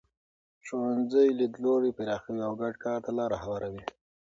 ښوونځي لیدلوري پراخوي او ګډ کار ته لاره هواروي.